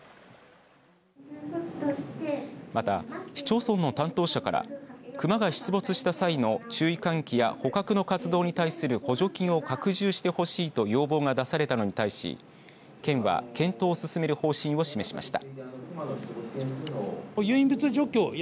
また、市町村の担当者から熊が出没した際の注意喚起や捕獲の活動に対する補助金を拡充してほしいと要望が出されたのに対し県は検討を進める方針を示しました。